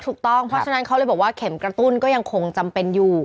ถูกต้องเพราะฉะนั้นเขาเลยบอกว่าเข็มกระตุ้นก็ยังคงจำเป็นอยู่